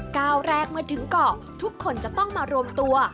ก้าวแรกเมื่อถึงเกาะทุกคนจะต้องมารวมตัว